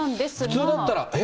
普通だったら、え？